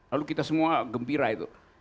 lalu kita semua gembira itu